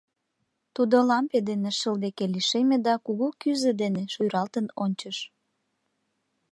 Тудо лампе дене шыл деке лишеме да кугу кӱзӧ дене шӱралтын ончыш.